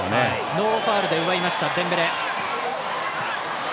ノーファウルで奪いましたデンベレ。